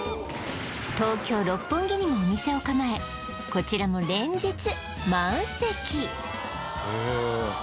東京六本木にもお店を構えこちらも連日満席へえ